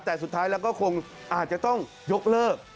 แต่สุดท้ายแล้วก็คงอาจจะต้องยกเลิก